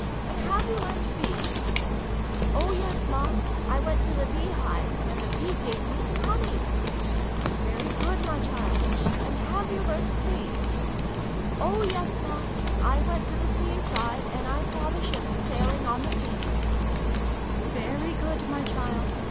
And have you learnt B?' 'Oh yes, Ma ! I went to the B hive, and the B gave me some honey !'' Very good, my child ! And have you learnt C ?'' Oh yes, Ma ! I went to the C side, and I saw the ships sailing on the C !'' Very good, my child